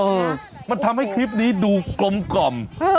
เออมันทำให้คลิปนี้ดูกลมกล่อม